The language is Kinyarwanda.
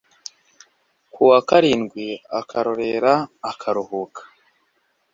ku wa karindwi akarorera akaruhuka